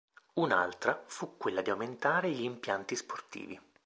Un'altra fu quella di aumentare gli impianti sportivi.